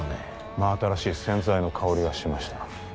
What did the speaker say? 真新しい洗剤の香りがしました